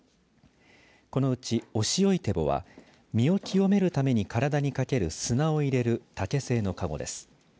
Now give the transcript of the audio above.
このうち、お汐井てぼは身を清めるために体にかける砂を入れる竹製のかごです。